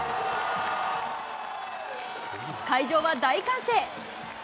会場は大歓声。